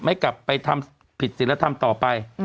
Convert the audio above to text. ไม่กลับไปทำผิดศิลธรรมต่อไป